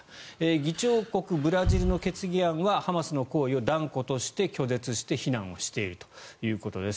議長国ブラジルの決議案はハマスの行為を断固として拒絶して非難をしているということです。